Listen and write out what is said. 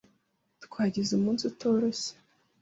Twagize umunsi utoroshye.